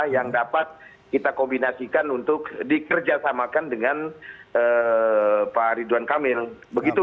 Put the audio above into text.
yang dapat kita kombinasikan untuk dikerjasamakan dengan pak ridwan kamil begitu